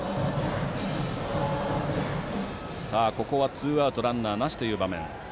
ツーアウトランナーなしという場面。